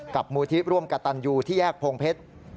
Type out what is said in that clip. มูลที่ร่วมกระตันยูที่แยกโพงเพชร